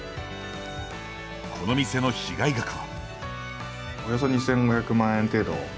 この店の被害額は。